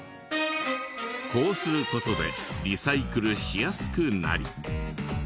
こうする事でリサイクルしやすくなり。